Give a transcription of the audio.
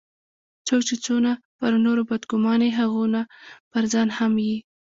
څوک چي څونه پر نورو بد ګومانه يي؛ هغونه پرځان هم يي.